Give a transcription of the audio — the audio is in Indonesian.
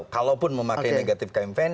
kalaupun memakai negatif campaign